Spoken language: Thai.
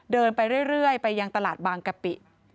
เดินไปเรื่อยไปยังตลาดบางกะปิ